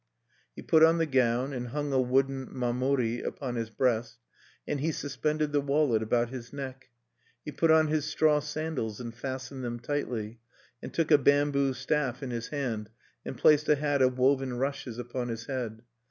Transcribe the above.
He put on the gown and hung a wooden mamori (charm) upon his breast(1), and he suspended the wallet about his neck. He put on his straw sandals and fastened them tightly, and took a bamboo staff in his hand, and placed a hat of woven rushes upon his head.